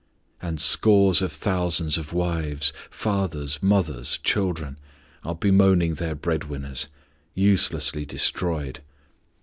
And scores of thousands of wives, fathers, mothers, children, are bemoaning their bread winners; uselessly destroyed.